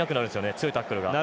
強いタックルが。